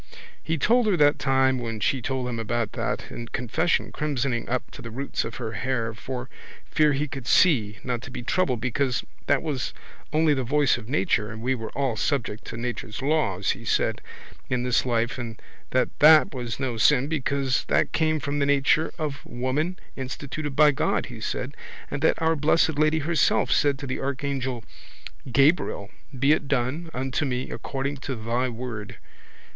He told her that time when she told him about that in confession, crimsoning up to the roots of her hair for fear he could see, not to be troubled because that was only the voice of nature and we were all subject to nature's laws, he said, in this life and that that was no sin because that came from the nature of woman instituted by God, he said, and that Our Blessed Lady herself said to the archangel Gabriel be it done unto me according to Thy Word.